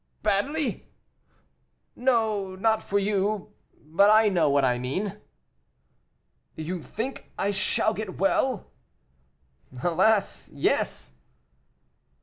"Badly!" "No, not for you; but I know what I mean." "You think I shall get well?" "Alas! yes."